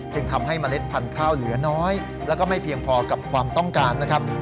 จึงทำให้เมล็ดพันธุ์ข้าวเหลือน้อยแล้วก็ไม่เพียงพอกับความต้องการนะครับ